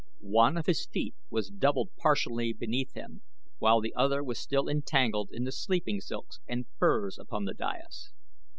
One of his feet was doubled partially beneath him, while the other was still entangled in the sleeping silks and furs upon the dais.